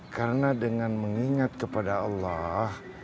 karena dengan mengingat kepada allah